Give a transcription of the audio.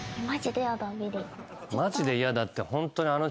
「マジでヤダ」って。